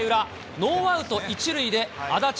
ノーアウト１塁で、安達。